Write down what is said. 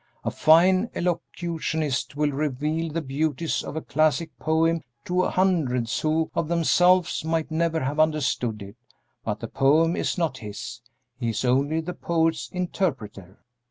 A fine elocutionist will reveal the beauties of a classic poem to hundreds who, of themselves, might never have understood it; but the poem is not his, he is only the poet's interpreter."